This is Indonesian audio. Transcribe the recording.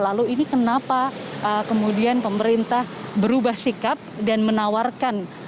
lalu ini kenapa kemudian pemerintah berubah sikap dan menawarkan